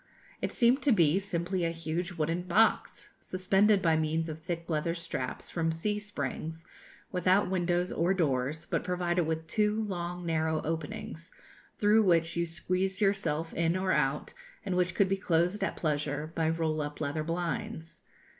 It seemed to be simply a huge wooden box, suspended, by means of thick leather straps, from C springs, without windows or doors, but provided with two long, narrow openings, through which you squeezed yourself in or out, and which could be closed at pleasure by roll up leather blinds.